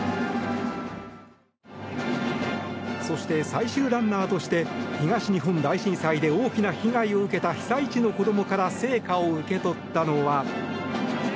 そして、最終ランナーとして東日本大震災で大きな被害を受けた被災地の子どもから聖火を受け取ったのは。